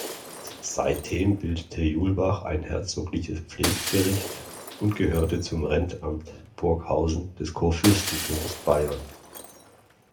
Seitdem bildete Julbach ein herzogliches Pfleggericht und gehörte zum Rentamt Burghausen des Kurfürstentums Bayern.